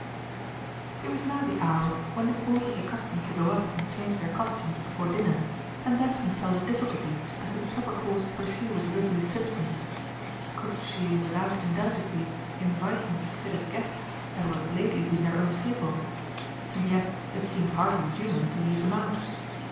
It was now the hour when the Court was accustomed to go up and change their costumes before dinner, and Daphne felt a difficulty as to the proper course to pursue with the Wibberley Stimpsons. Could she without indelicacy invite them to sit as guests at what had lately been their own table? And yet it seemed hardly human to leave them out.